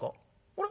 「あれ？